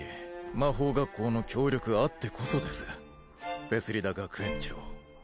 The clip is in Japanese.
魔法学校の協力あってこそですフェスリダ学園長。